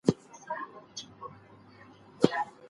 ایا عضلات د غوړو پر وړاندې غوره انرژي مصرفوي؟